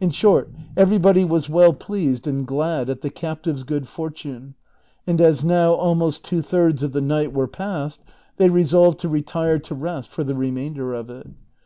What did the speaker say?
In short, everybody was well pleased and glad at the captive's good fortune ; and as now almost two thirds of the night were past they resolved to retire to rest for the remainder of it.